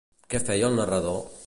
Què feia el narrador?